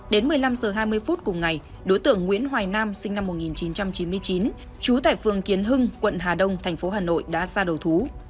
đến một mươi năm h hai mươi phút cùng ngày đối tượng nguyễn hoài nam sinh năm một nghìn chín trăm chín mươi chín trú tại phường kiến hưng quận hà đông thành phố hà nội đã ra đầu thú